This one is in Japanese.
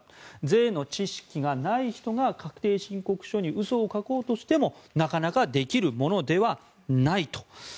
税の知識がない人が確定申告書に嘘を書こうとしてもなかなかできるものではないと。